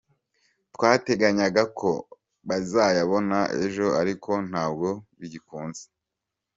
Twateganyaga ko bazayabona ejo ariko ntabwo bigikunze”.